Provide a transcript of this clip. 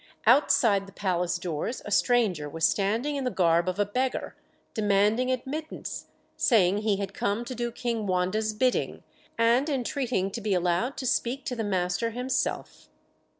Outside the palace doors a stranger was standing in the garb of a beggar, demanding admittance, saying he had come to do King Wanda's bidding, and entreating to be allowed to speak to the master himself.